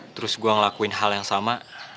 terus gue ngelakuin hal yang sama